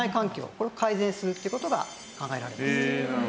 これを改善するっていう事が考えられてます。